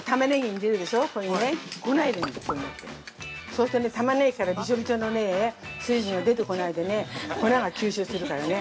そうするとね、タマネギから、びちょびちょの水分が出てこないでね粉が吸収するからね。